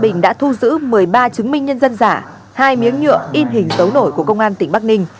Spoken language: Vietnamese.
bình đã thu giữ một mươi ba chứng minh nhân dân giả hai miếng nhựa in hình dấu nổi của công an tỉnh bắc ninh